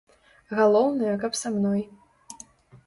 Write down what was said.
Галоўнае, каб са мной.